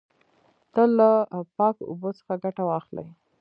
تل له پاکو اوبو څخه ګټه واخلی.